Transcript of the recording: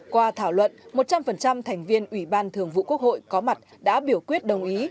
qua thảo luận một trăm linh thành viên ủy ban thường vụ quốc hội có mặt đã biểu quyết đồng ý